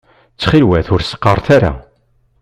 Ttxil-wet ur s-qqaṛet ara.